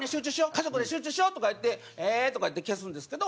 家族に集中しよう」とか言って「ええー」とか言って消すんですけど。